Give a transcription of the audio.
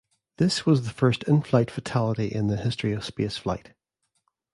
This was the first in-flight fatality in the history of spaceflight.